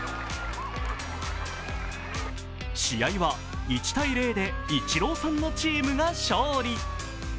試合は１−０でイチローさんのチームが勝利。